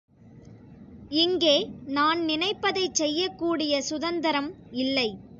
இங்கே நான் நினைப்பதைச் செய்யக்கூடிய சுதந்தரம் இல்லை.